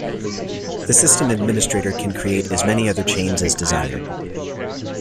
The system administrator can create as many other chains as desired.